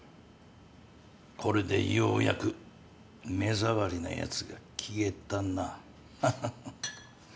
これでようやく目障りなやつが消えたな。ハハハ。